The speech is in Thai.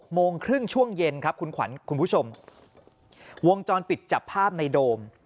โมงครึ่งช่วงเย็นครับคุณขวัญคุณผู้ชมวงจรปิดจับภาพในโดม